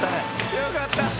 よかった！